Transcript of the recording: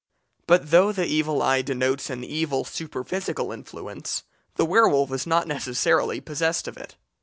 But though the evil eye denotes an evil superphysical influence, the werwolf is not necessarily possessed of it.